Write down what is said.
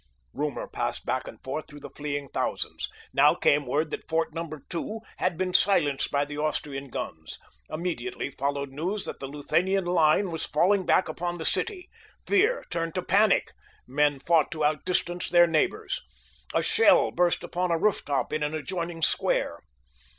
Rumor passed back and forth through the fleeing thousands. Now came word that Fort No. 2 had been silenced by the Austrian guns. Immediately followed news that the Luthanian line was falling back upon the city. Fear turned to panic. Men fought to outdistance their neighbors. A shell burst upon a roof top in an adjoining square.